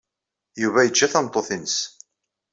Yuba yeǧǧa tameṭṭut-nnes.